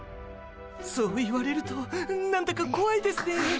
そう言われると何だかこわいですね。